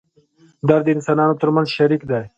درد د انسانانو تر منځ شریک دی.